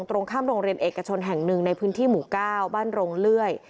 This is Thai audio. ตรงข้ามโรงเรียนเอกชนแห่งหนึ่งในพื้นที่หมู่๙บ้านโรงเลื่อย